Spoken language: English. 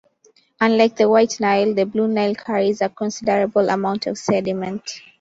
Unlike the White Nile, the Blue Nile carries a considerable amount of sediment.